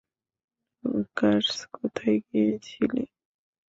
নুকার্স, কোথায় গিয়েছিলি?